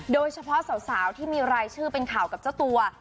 โดยเฉพาะสาวที่มีรายชื่อเป็นข่าวกับเจ้าตัว